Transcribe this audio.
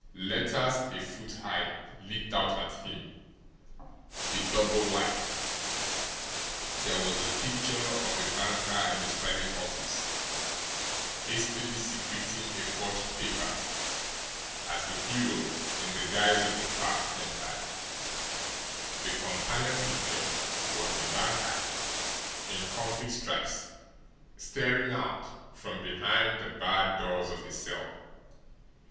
Letters a foot high leaped out at him: "THE DOUBLE LIFE." There was the picture of a banker in his private office hastily secreting a forged paper as the hero in the guise of a clerk entered; the companion picture was the banker in convict stripes staring out from behind the barred doors of a cell.